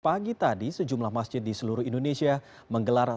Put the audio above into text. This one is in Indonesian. pagi tadi sejumlah masjid di seluruh indonesia menggelar